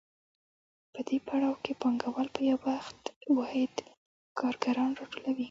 په دې پړاو کې پانګوال په یو واحد وخت کارګران راټولوي